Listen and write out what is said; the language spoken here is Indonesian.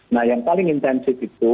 nah yang paling intensif itu